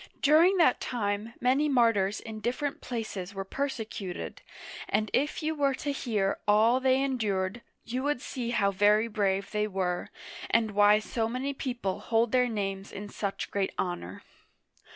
During that time many martyrs in different places were persecuted, and if you were to hear all they endured, you would see how very brave they were, and why so many people hold their names in such great honor.